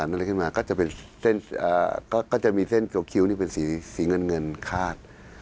เซรามิกปูสีสันอะไรขึ้นมาก็จะมีเส้นเกลียวคิ้วเป็นสีเงินคาด